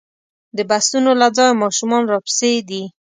د بسونو له ځایه ماشومان راپسې دي.